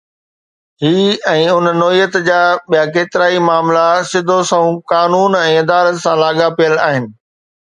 هي ۽ ان نوعيت جا ٻيا ڪيترائي معاملا سڌو سنئون قانون ۽ عدالت سان لاڳاپيل آهن